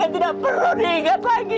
yang tidak perlu diingat lagi